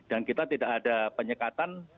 dan kita tidak ada penyekatan